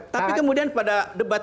tapi kemudian pada debat